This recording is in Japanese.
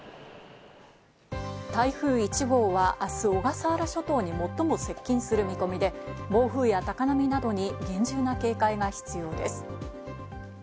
台風１号は明日、小笠原諸島に最も接近する見込みで暴風や高波などに厳重な警戒が必要です。